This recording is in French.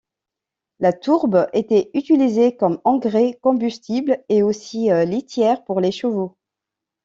La tourbe était utilisée comme engrais, combustible et aussi litière pour les chevaux.